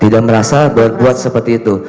tidak merasa berbuat seperti itu